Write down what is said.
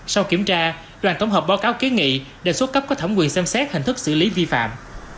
sau kiểm tra đoàn tổng hợp báo cáo kế nghị đề xuất cấp có thẩm quyền xem xét hình thức xử lý vi phạm